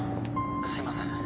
すいません